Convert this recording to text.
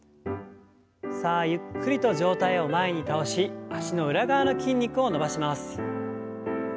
さあゆっくりと上体を前に倒し脚の裏側の筋肉を伸ばします。